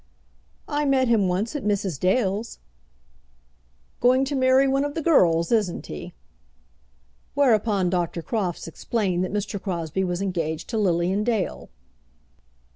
"I met him once at Mrs. Dale's." "Going to marry one of the girls, isn't he?" Whereupon Dr. Crofts explained that Mr. Crosbie was engaged to Lilian Dale.